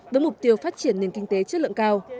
với mục tiêu phát triển nền kinh tế chất lượng cao